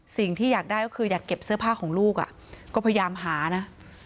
สิ่งที่อยากได้ก็คืออยากเก็บเสื้อผ้าของลูกก็พยายามหานะ